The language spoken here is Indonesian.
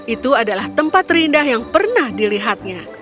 itu adalah tempat terindah yang pernah dilihatnya